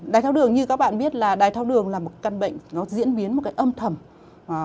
đai tháo đường như các bạn biết là đai tháo đường là một căn bệnh diễn biến một cái âm thầm